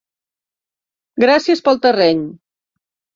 Gràcies pel terreny.